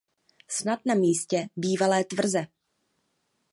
Snad na místě bývalé tvrze.